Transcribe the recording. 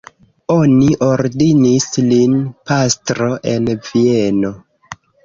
Oni ordinis lin pastro en Vieno.